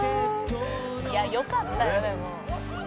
「いやよかったよでも」